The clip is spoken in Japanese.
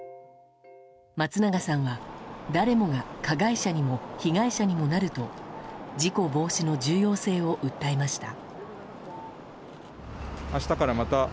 松永さんは、誰もが加害者にも被害者にもなると事故防止の重要性を訴えました。